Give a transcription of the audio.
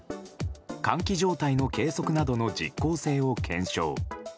換気状態の計測などの実効性を検証。